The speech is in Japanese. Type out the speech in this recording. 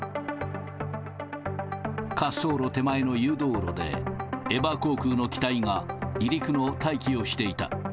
滑走路手前の誘導路で、エバー航空の機体が離陸の待機をしていた。